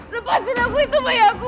lepasin aku itu bayi aku